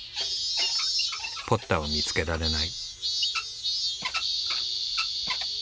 ポッタを見つけられない。